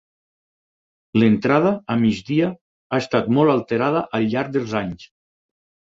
L'entrada, a migdia, ha estat molt alterada al llarg dels anys.